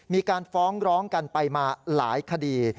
มีการฟ้องร้องกันไปมาหลายคดี